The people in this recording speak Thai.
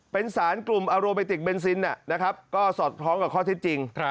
เป็นสารกลุ่มอโรเมติกเบนซินก็สอดคล้องกับข้อเท็จจริง